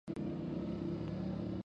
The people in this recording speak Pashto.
هوښیار به شې !